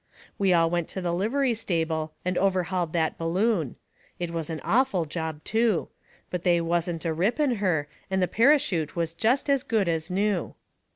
We all went to the livery stable and overhauled that balloon. It was an awful job, too. But they wasn't a rip in her, and the parachute was jest as good as new.